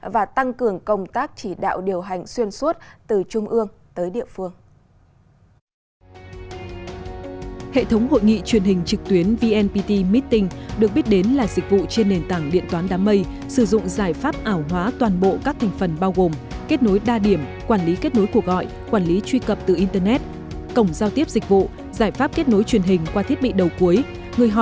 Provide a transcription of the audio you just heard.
và tăng cường công tác chỉ đạo điều hành xuyên suốt từ trung ương tới địa phương